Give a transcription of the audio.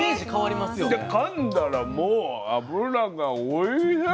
でかんだらもう脂がおいしい。